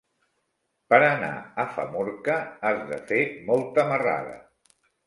Per anar a Famorca has de fer molta marrada.